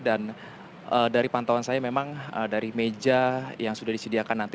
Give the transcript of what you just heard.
dan dari pantauan saya memang dari meja yang sudah disediakan nanti